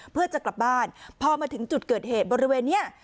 เพื่อจะกลับบ้านพอมาถึงจุดเกิดเหตุบริเวณนี้